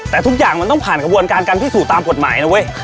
แต่ทุกอย่างมันต้องผ่านกระบวนการการพิสูจน์ตามกฎหมายนะเว้ย